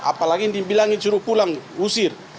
apalagi dibilangin suruh pulang usir